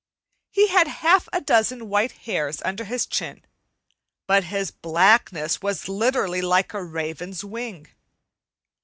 He had half a dozen white hairs under his chin; but his blackness was literally like the raven's wing.